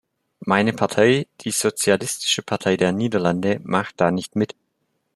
Meine Partei, die Sozialistische Partei der Niederlande, macht da nicht mit.